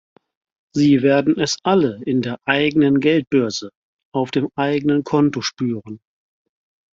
Sie werden es alle in der eigenen Geldbörse, auf dem eigenen Konto spüren.